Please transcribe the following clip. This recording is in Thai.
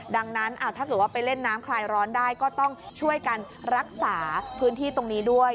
ดังนั้นถ้าเกิดว่าไปเล่นน้ำคลายร้อนได้ก็ต้องช่วยกันรักษาพื้นที่ตรงนี้ด้วย